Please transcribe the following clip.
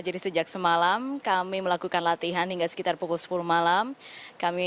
jadi sejak semalam kami melakukan latihan hingga sekitar pukul sepuluh malam